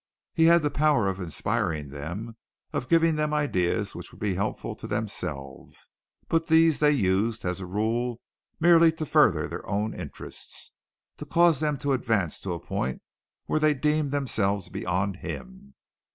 He had the power of inspiring them of giving them ideas which would be helpful to themselves but these they used, as a rule, merely to further their own interests, to cause them to advance to a point where they deemed themselves beyond him.